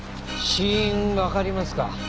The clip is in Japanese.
死因わかりますか？